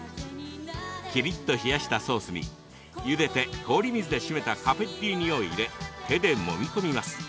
きりっと冷やしたソースにゆでて氷水で締めたカペッリーニを入れ手で、もみ込みます。